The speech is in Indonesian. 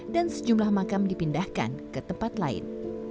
dan sejumlah makam dipindahkan ke tempat lain